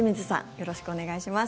よろしくお願いします。